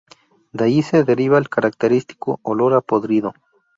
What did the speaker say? De allí se deriva el característico "olor a podrido".